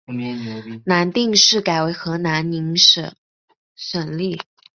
南定市改为河南宁省省莅。